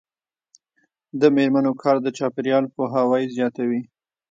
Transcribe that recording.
د میرمنو کار د چاپیریال پوهاوي زیاتوي.